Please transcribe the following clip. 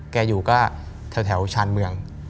แกอยู่ก็แถวชาญเมือง